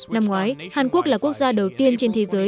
năm ngoái hàn quốc là quốc gia đầu tiên trên thế giới